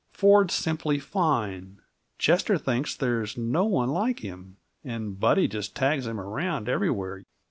"Ford's simply fine! Chester thinks there's no one like him; and Buddy just tags him around everywhere.